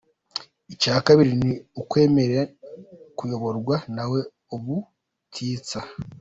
Icya kabiri ni ukwemera kuyoborwa nawe ubutitsa.